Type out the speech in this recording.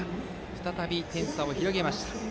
再び点差を広げました。